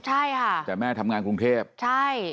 ใช่ค่ะแต่แม่ทำงานกรุงเทพใช่